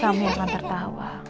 kami akan tertawa